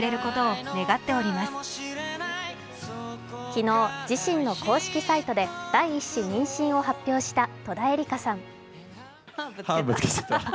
昨日、自身の公式サイトで第１子妊娠を発表した戸田恵梨香さん。